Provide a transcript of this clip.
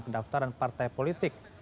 pendaftaran partai politik